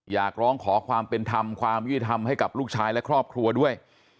อยากร้องขอความเป็นธรรมความยุติธรรมให้กับลูกชายและครอบครัวด้วย